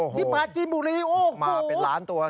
ที่ป่าจีนบุรีโอ้โห